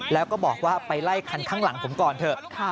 แล้วก็บอกว่าไปไล่คันข้างหลังผมก่อนเถอะ